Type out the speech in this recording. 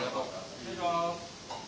失礼します。